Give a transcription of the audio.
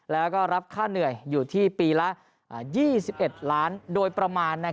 แล้วก็รับค่าเหนื่อยอยู่ที่ปีละ๒๑ล้านโดยประมาณ